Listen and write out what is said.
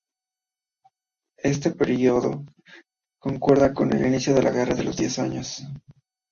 Este periodo concuerda con el inicio de la Guerra de los diez años.